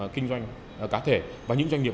kinh doanh cá thể và những doanh nghiệp